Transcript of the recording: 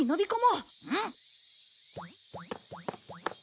うん！